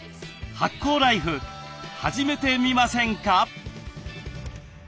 発酵ライフ始めてみませんか？